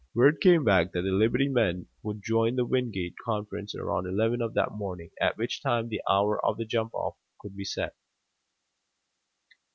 Word came back that the Liberty men would join the Wingate conference around eleven of that morning, at which time the hour of the jump off could be set.